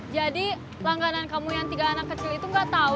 jadi langganan kamu yang tiga anak kecil itu gak tau